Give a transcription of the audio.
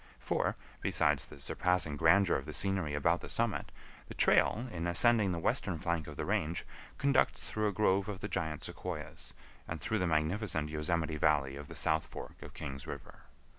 For, besides the surpassing grandeur of the scenery about the summit, the trail, in ascending the western flank of the range, conducts through a grove of the giant Sequoias, and through the magnificent Yosemite Valley of the south fork of King's River.